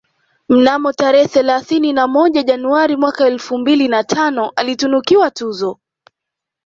Mnamo tarehe thelathini na moja Januari mwaka elfu mbili na tano alitunukiwa tuzo